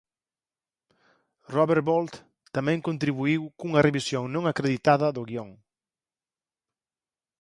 Robert Bolt tamén contribuíu cunha revisión non acreditada do guión.